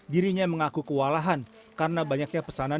dirinya mengaku kewalahan karena banyaknya pesanan